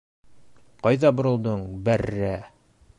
— Ҡайҙа боролдоң, бәррә!